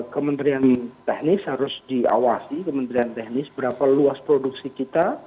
kementerian teknis harus diawasi kementerian teknis berapa luas produksi kita